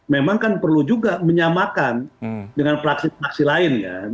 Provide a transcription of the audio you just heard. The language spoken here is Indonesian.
memang kan perlu juga menyamakan dengan praksi praksi lain